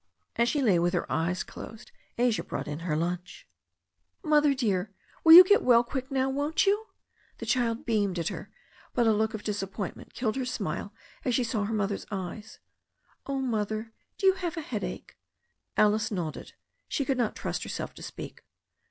As she lay with her eyes closed Asia brought in her lunch. "Mother, dear, you will get well quick now, won't you?" The child beamed at her. But a look of disappointment killed her smile as she saw her mother's eyes. "Oh, Mother, have you a headache?" Alice nodded. She could not trust herself to speak.